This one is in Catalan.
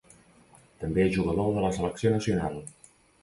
També és jugador de la selecció nacional.